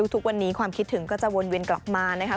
ทุกวันนี้ความคิดถึงก็จะวนเวียนกลับมานะคะ